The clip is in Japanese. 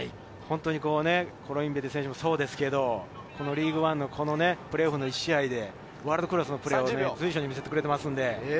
コロインベテ選手もそうですけれど、リーグワンのプレーオフの１試合でワールドクラスのプレーを随所に見せてくれています。